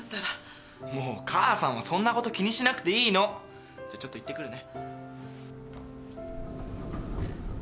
もう母さんはそんなこと気にしなくていいの。じゃちょっと行ってくるね。